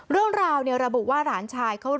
เรื่องราวระบุว่าหลานชายคือ